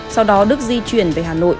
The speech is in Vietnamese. sau đó đức di chuyển về hà nội